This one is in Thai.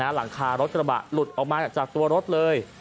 หลังคารถกระบะหลุดออกมาจากตัวรถเลย